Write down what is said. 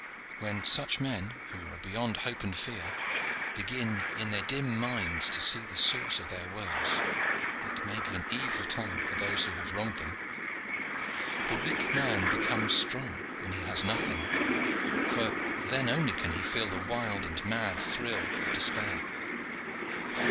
When such men, who are beyond hope and fear, begin in their dim minds to see the source of their woes, it may be an evil time for those who have wronged them. The weak man becomes strong when he has nothing, for then only can he feel the wild, mad thrill of despair.